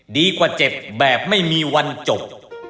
ดีกว่าเจ็บแบบไม่มีวันจบ